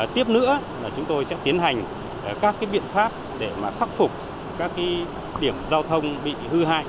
tiếp nữa là chúng tôi sẽ tiến hành các biện pháp để khắc phục các điểm giao thông bị hư hại